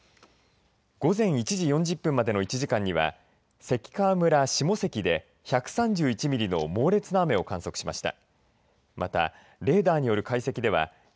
午前１時４０分までの１時間には関川村下関で１３１ミリの猛烈な雨を観測しました。